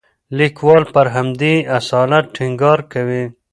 لیکوال پر همدې اصالت ټینګار کوي.